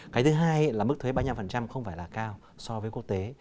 cái thứ hai là mức thuế ba mươi năm không phải là cao so với quốc tế